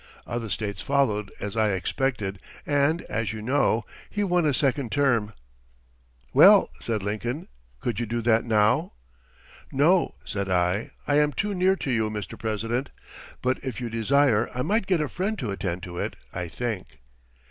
Other States followed as I expected and, as you know, he won a second term." "Well," said Lincoln, "could you do that now?" "No," said I, "I am too near to you, Mr. President; but if you desire I might get a friend to attend to it, I think."